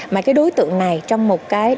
mà cái đối tượng này trong một cái